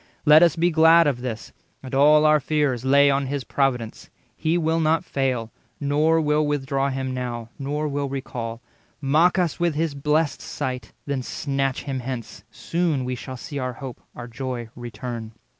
Let us be glad of this, and all our fears Lay on his providence; He will not fail, Nor will withdraw him now, nor will recall— Mock us with his blest sight, then snatch him hence: Soon we shall see our hope, our joy, return."